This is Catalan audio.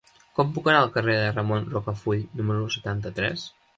Com puc anar al carrer de Ramon Rocafull número setanta-tres?